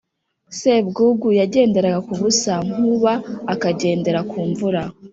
Sebwugugu yagenderaga ku busa Nkuba akagendera ku mvura